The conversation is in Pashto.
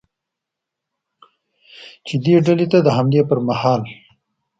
چې دې ډلې ته د حملې پرمهال ل